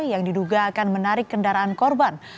yang diduga akan menarik kendaraan korban